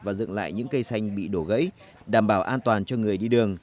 và dựng lại những cây xanh bị đổ gãy đảm bảo an toàn cho người đi đường